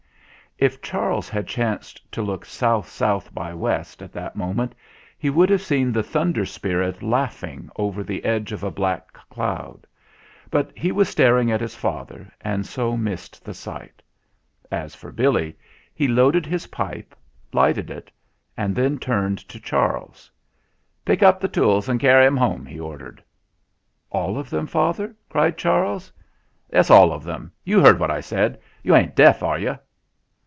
If Charles had chanced to look south south by west at that moment, he would have seen the Thunder Spirit laughing over the edge of a black cloud ; but he was staring at his 76 THE FLINT HEART father, and so missed the sight. As for Billy, he loaded his pipe, lighted it, and then turned to Charles. "Pick up the tools and carry 'em home," he ordered. "All of them, father !" cried Charles. "Yes, all of 'em. You heard what I said. You ain't deaf, are you